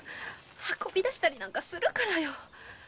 運び出したりなんかするからよ。